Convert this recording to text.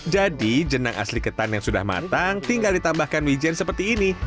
jadi jenang asli ketan yang sudah matang tinggal ditambahkan wijen seperti ini